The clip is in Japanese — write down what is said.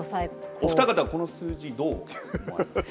お二方この数字どう見ますか。